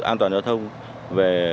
an toàn giao thông về